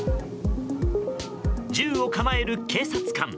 銃を構える警察官。